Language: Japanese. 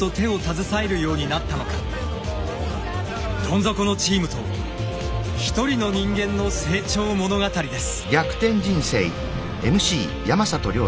どん底のチームと一人の人間の成長物語です。